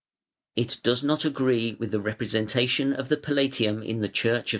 It does not agree with the representation of the Palatium in the Church of S.